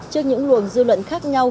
trước những luồng dư luận khác nhau